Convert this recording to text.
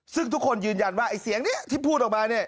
ซึ่งทุกคนยืนยันว่าไอ้เสียงนี้ที่พูดออกมาเนี่ย